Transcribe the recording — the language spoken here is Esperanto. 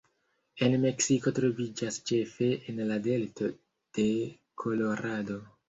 En Meksiko troviĝas ĉefe en la delto de Kolorado.